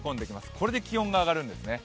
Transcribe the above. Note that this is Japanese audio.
これで気温が上がるんですね。